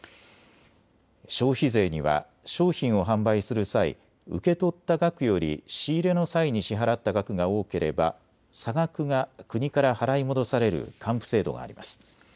消費税には商品を販売する際、受け取った額より仕入れの際に支払った額が多ければ差額が国から払い戻される還付制度があります。